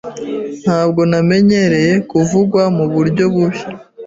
Ntabwo namenyereye kuvugwa muburyo bubi.